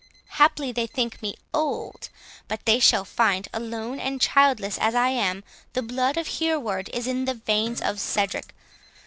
—Haply they think me old; but they shall find, alone and childless as I am, the blood of Hereward is in the veins of Cedric.